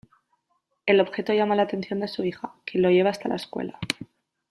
El objeto llama la atención de su hija, quien lo lleva hasta la escuela.